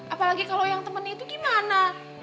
apalagi kalau yang temen itu gimana